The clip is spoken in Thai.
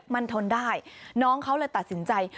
มันทนได้น้องเขาเลยตัดสินใจ